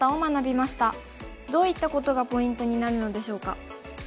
どういったことがポイントになるのでしょうか。